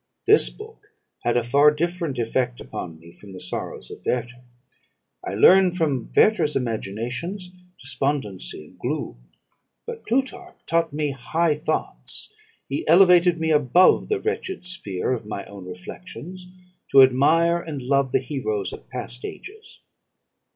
This book had a far different effect upon me from the 'Sorrows of Werter.' I learned from Werter's imaginations despondency and gloom: but Plutarch taught me high thoughts; he elevated me above the wretched sphere of my own reflections, to admire and love the heroes of past ages.